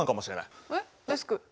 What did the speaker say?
えっデスク！